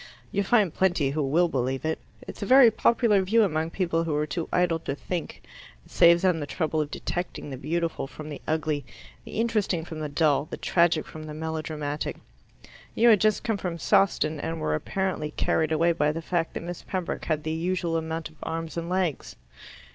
You'll find plenty who will believe it. It's a very popular view among people who are too idle to think; it saves them the trouble of detecting the beautiful from the ugly, the interesting from the dull, the tragic from the melodramatic. You had just come from Sawston, and were apparently carried away by the fact that Miss Pembroke had the usual amount of arms and legs."